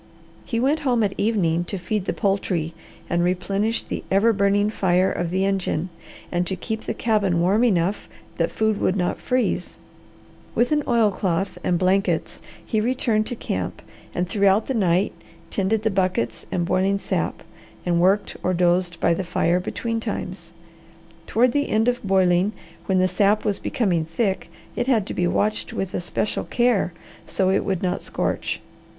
He went home at evening to feed the poultry and replenish the ever burning fire of the engine and to keep the cabin warm enough that food would not freeze. With an oilcloth and blankets he returned to camp and throughout the night tended the buckets and boiling sap, and worked or dozed by the fire between times. Toward the end of boiling, when the sap was becoming thick, it had to be watched with especial care so it would not scorch.